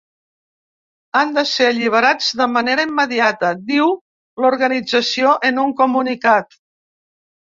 Han de ser alliberats de manera immediata, diu l’organització en un comunicat.